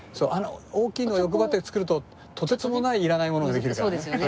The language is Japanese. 大きいのを欲張って作るととてつもないいらないものができるからね。